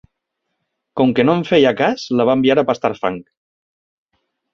Com que no en feia cas, la va enviar a pastar fang.